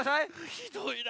ひどいな。